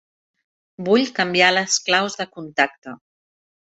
Vull canviar les claus de contacte.